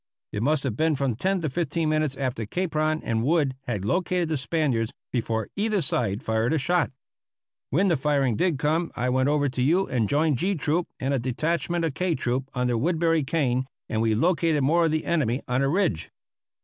It must have been from ten to fifteen minutes after Capron and Wood had located the Spaniards before either side fired a shot. When the firing did come I went over to you and joined G Troop and a detachment of K Troop under Woodbury Kane, and we located more of the enemy on a ridge.